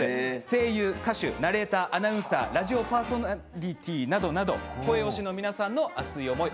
声優、歌手、ナレーターアナウンサーラジオパーソナリティーなどなど声推しの皆さんの熱い思い